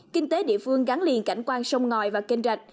kinh tế địa phương gắn liền cảnh quan sông ngoài và kênh trạch